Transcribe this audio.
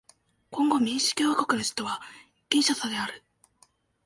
コンゴ民主共和国の首都はキンシャサである